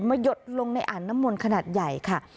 หยดลงในอ่างน้ำมนต์ขนาดใหญ่ค่ะ